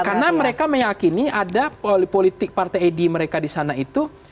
karena mereka meyakini ada politik partai edi mereka di sana itu